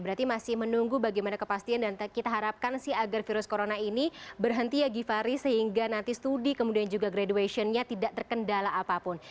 berarti masih menunggu bagaimana kepastian dan kita harapkan sih agar virus corona ini berhenti ya givhary sehingga nanti studi kemudian juga graduation nya tidak terkendala apapun